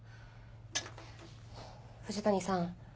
藤谷さん